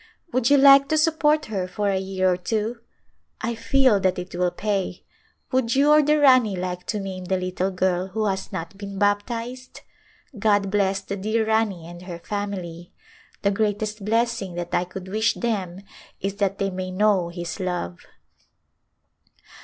Would you like to sup port her for a year or two ? I feel that it will pay. Would you or the Rani like to name the little girl who has not been baptized ? God bless the dear Rani and her family. The greatest blessing that I could wish them is that they may know His love."